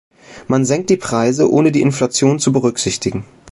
Man senkt die Preise, ohne die Inflation zu berücksichtigen.